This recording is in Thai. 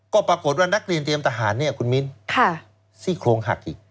ก็ปรากฏว่านักเรียนเตรียมทหารเนี่ยคุณมิ้นซี่โครงหักอีก